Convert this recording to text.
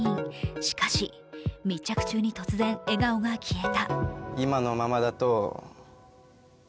しかし、密着中に突然、笑顔が消えた。